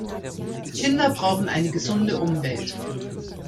Kinder brauchen eine gesunde Umwelt.